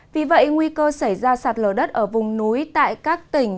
vì vậy nguy cơ xảy ra sạt lở đất ở vùng núi tại các tỉnh